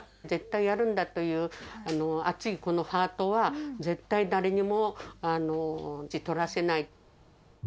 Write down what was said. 絶対やるんだという熱いこのハートは、絶対誰にも取らせない。